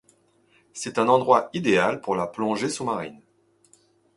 C’est un endroit idéal pour la plongée sous marine.